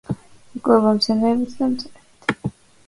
იკვებება მცენარეებითა და მწერებით.